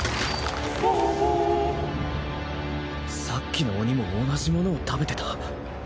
さっきの鬼も同じものを食べてた。